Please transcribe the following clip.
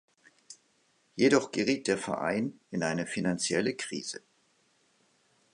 Jedoch geriet der Verein in eine finanzielle Krise.